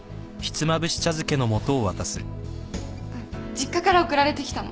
実家から送られてきたの。